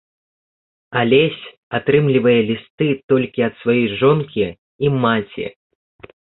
Алесь атрымлівае лісты толькі ад сваёй жонкі і маці.